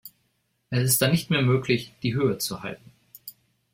Es ist dann nicht mehr möglich, die Höhe zu halten.